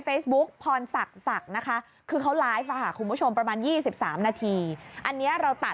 ผมเห็นอะไรในเสื้อล่ะพื้นอะ